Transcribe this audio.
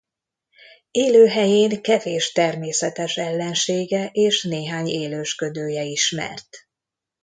Élőhelyén kevés természetes ellensége és néhány élősködője ismert.